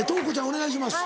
お願いします。